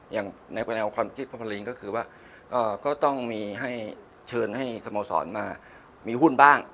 อย่างในการความคิดพระพลีนก็คือว่าก็ต้องเชิญให้สมสรรค์มามีหุ้นบ้าง